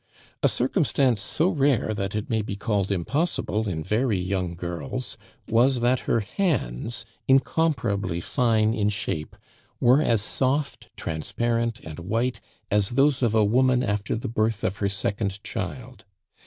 A circumstance so rare, that it may be called impossible in very young girls, was that her hands, incomparably fine in shape, were as soft, transparent, and white as those of a woman after the birth of her second child.